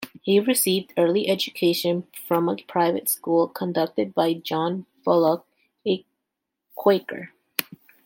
He received early education from a private school conducted by John Bullock, a Quaker.